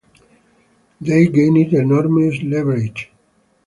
They gained enormous leverage.